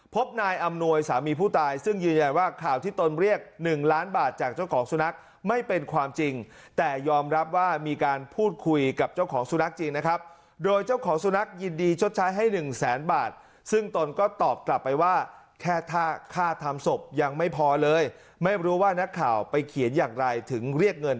พบนายอำนวยสามีผู้ตายซึ่งยืนยันว่าข่าวที่ตนเรียก๑ล้านบาทจากเจ้าของสุนัขไม่เป็นความจริงแต่ยอมรับว่ามีการพูดคุยกับเจ้าของสุนัขจริงนะครับโดยเจ้าของสุนัขยินดีชดใช้ให้หนึ่งแสนบาทซึ่งตนก็ตอบกลับไปว่าแค่ค่าทำศพยังไม่พอเลยไม่รู้ว่านักข่าวไปเขียนอย่างไรถึงเรียกเงิน